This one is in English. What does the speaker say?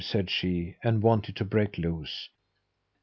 said she, and wanted to break loose.